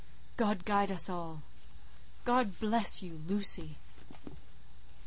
"God guide us all! God bless you, Lucy!"